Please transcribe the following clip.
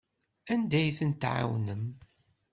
Anda ay tent-tɛawnem?